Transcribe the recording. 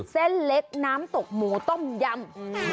เส้นเล็กน้ำตกหมูต้มยำ